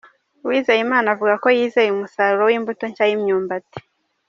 Uwizeyimana avuga ko yizeye umusaruro w’imbuto nshya y’imyumbati.